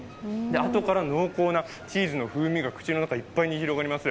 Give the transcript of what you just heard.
あとから濃厚なチーズの風味が口の中いっぱいに広がります。